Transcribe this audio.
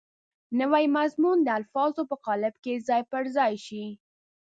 نوی مضمون د الفاظو په قالب کې ځای پر ځای شي.